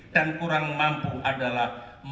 dan kurang mampu adalah